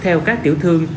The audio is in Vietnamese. theo các tiểu thương